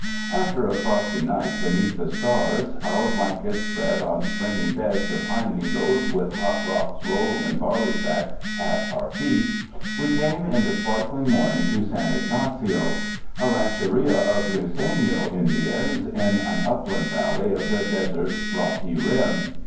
After a frosty night beneath the stars, our blankets spread on springy beds of pine needles, with hot rocks rolled in barley sacks at our feet, we came in the sparkling morning to San Ygnacio, a rancheria of Luiseno Indians in an upland valley of the desert's rocky rim.